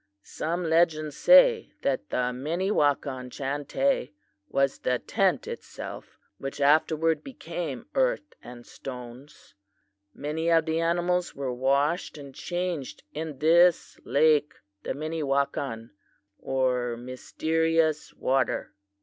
Some legends say that the Minnewakan Chantay was the tent itself, which afterward became earth and stones. Many of the animals were washed and changed in this lake, the Minnewakan, or Mysterious Water.